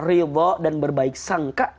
ridho dan berbaik sangka